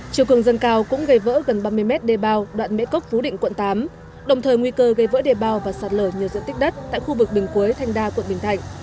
chiều cương dân cao cũng gây vỡ gần ba mươi m đề bao đoạn mẽ cốc phú định quận tám đồng thời nguy cơ gây vỡ đề bao và sạt lở nhiều diện tích đất tại khu vực bình quế thanh đa quận bình thạnh